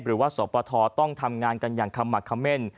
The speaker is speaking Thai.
หรือว่าสปทต้องทำงานกันอย่างขมักคำเม่น